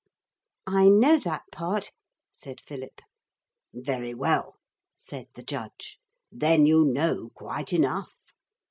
'I know that part,' said Philip. 'Very well,' said the judge. 'Then you know quite enough.